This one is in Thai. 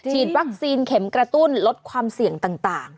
ฉีดวัคซีนเข็มกระตุ้นลดความเสี่ยงต่าง